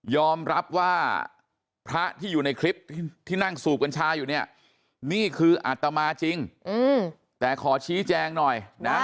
อมรับว่าพระที่อยู่ในคลิปที่นั่งสูบกัญชาอยู่เนี่ยนี่คืออัตมาจริงแต่ขอชี้แจงหน่อยนะ